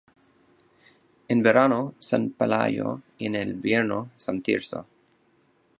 En verano San Pelayo y en invierno San Tirso.